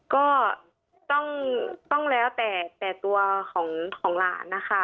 ก็ต้องแล้วแต่ตัวของหลานนะคะ